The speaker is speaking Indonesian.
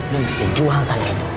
lo mesti jual tanah itu